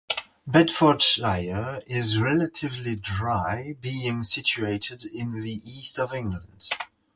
Bedfordshire is relatively dry, being situated in the east of England.